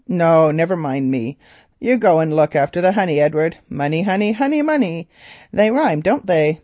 No, never mind me either; you go and look after the honey, Edward. Money—honey, honey—money, they rhyme, don't they?